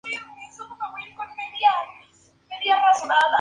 Dicha frecuencia pasa a ser de treinta minutos los fines de semana.